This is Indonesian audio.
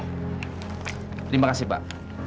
terima kasih pak